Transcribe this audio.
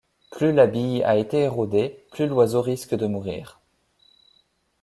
Plus la bille a été érodée, plus l'oiseau risque de mourir.